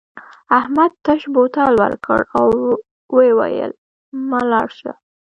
احمد تش بوتل ورکړ او وویل مه لاړ شه.